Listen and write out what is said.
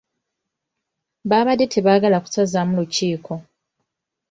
Baabadde tebaagala kusazaamu lukiiko.